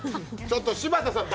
ちょっと柴田さん！